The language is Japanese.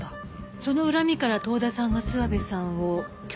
その恨みから遠田さんが諏訪部さんを脅迫したって事？